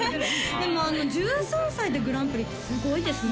でも１３歳でグランプリってすごいですね